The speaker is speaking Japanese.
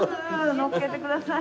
乗っけてください。